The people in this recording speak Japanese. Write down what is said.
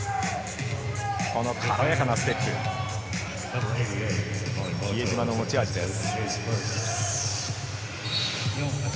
この軽やかなステップ、比江島の持ち味です。